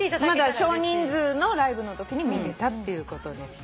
まだ少人数のライブのときに見てたっていうことで。